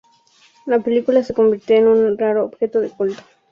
La película se convirtió en un raro objeto de culto.